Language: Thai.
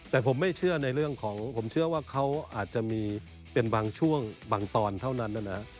แต่ผมไม่เชื่อในเรื่องของผมเชื่อว่าเขาอาจจะมีเป็นบางช่วงบางตอนเท่านั้นนะครับ